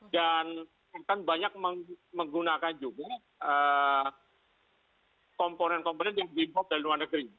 dan akan banyak menggunakan juga komponen komponen yang di pop dari luar negeri